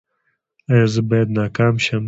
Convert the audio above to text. ایا زه باید ناکام شم؟